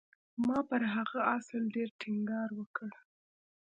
ما پر هغه اصل ډېر ټينګار وکړ.